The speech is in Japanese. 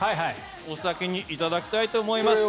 お先にいただきたいと思います。